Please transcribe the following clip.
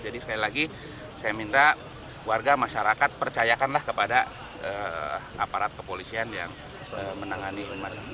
jadi sekali lagi saya minta warga masyarakat percayakanlah kepada aparat kepolisian yang menangani masyarakat